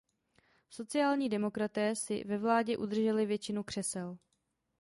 Sociální demokraté si ve vládě udrželi většinu křesel.